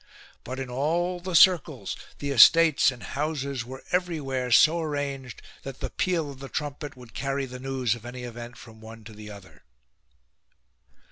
But in all the circles the estates and houses were every where so arranged that the peal of the trumpet would carry the news of any event from one to the other."